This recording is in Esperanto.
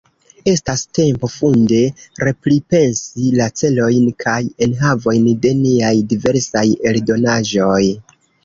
Estas tempo funde repripensi la celojn kaj enhavojn de niaj diversaj eldonaĵoj.